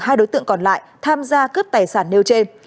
hai đối tượng còn lại tham gia cướp tài sản nêu trên